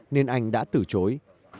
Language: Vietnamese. nên anh đã từ chối